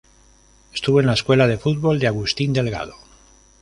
Estuvo en la escuela de fútbol de Agustín Delgado.